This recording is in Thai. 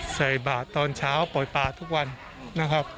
ใส่บาทตอนเช้าปล่อยปลาทุกวันนะครับ